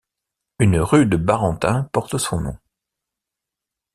Une rue de Barentin porte son nom.